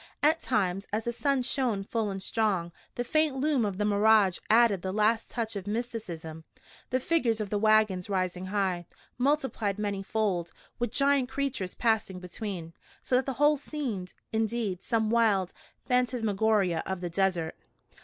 At times, as the sun shone full and strong, the faint loom of the mirage added the last touch of mysticism, the figures of the wagons rising high, multiplied many fold, with giant creatures passing between, so that the whole seemed, indeed, some wild phantasmagoria of the desert.